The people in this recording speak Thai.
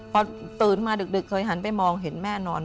พอตื่นมาดึกเคยหันไปมองเห็นแม่นอน